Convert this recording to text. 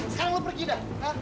sekarang lo pergi dah